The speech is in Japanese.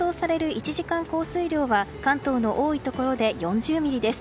１時間降水量は関東の多いところで４０ミリです。